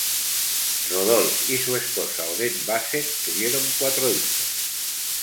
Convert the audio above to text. Rodolphe y su esposa Odette Basset tuvieron cuatro hijos.